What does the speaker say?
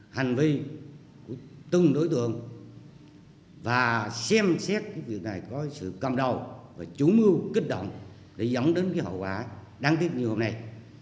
hành vi của từng đối tượng và xem xét việc này có sự cầm đầu và chủ mưu kích động để dẫn đến cái hậu quả đáng tiếc như hôm nay